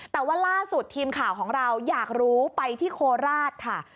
แต่ว่าล่าสุดทีมข่าวของเราอยากรู้ไปที่โคราชค่ะ